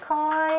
はい。